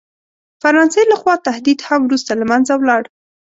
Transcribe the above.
فرانسې له خوا تهدید هم وروسته له منځه ولاړ.